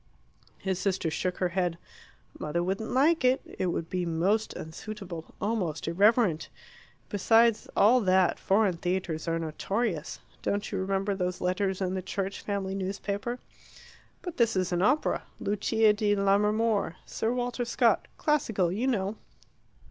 His sister shook her head. "Mother wouldn't like it. It would be most unsuitable almost irreverent. Besides all that, foreign theatres are notorious. Don't you remember those letters in the 'Church Family Newspaper'?" "But this is an opera 'Lucia di Lammermoor' Sir Walter Scott classical, you know."